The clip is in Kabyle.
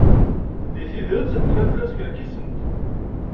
Deg tidet, llant la skerkisent.